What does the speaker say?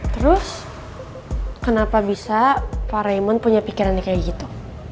terus kenapa bisa pak raymond punya pikirannya kayak gitu